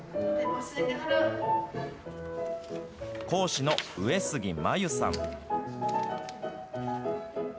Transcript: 講師の上杉真由さん。